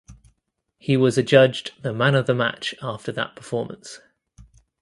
He was adjudged the man of the match after that performance.